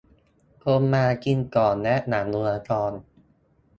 คนมากินก่อนและหลังดูละคร